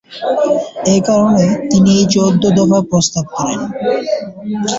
এ কারণে তিনি এই চৌদ্দ দফা প্রস্তাব করেন।